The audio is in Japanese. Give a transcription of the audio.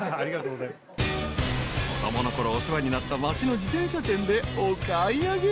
お世話になった町の自転車店でお買い上げ］